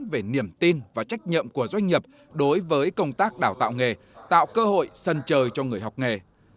về niềm tin và trách nhậm của doanh nghiệp đối với công tác đào tạo nghề tạo cơ hội sân trời cho người học nghề